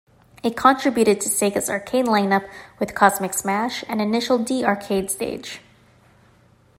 It contributed to Sega's arcade line-up with "Cosmic Smash" and "Initial D Arcade Stage".